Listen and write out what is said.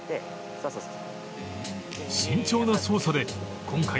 そうそうそう。